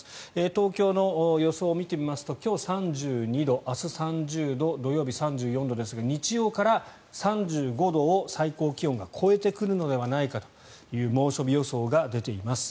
東京の予想を見てみますと今日、３２度明日、３０度土曜日、３４度ですが日曜日から３５度を最高気温が超えてくるのではないかという猛暑日予想が出ています。